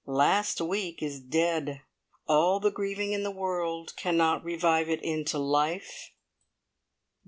Last week is dead. All the grieving in the world cannot revive it into life.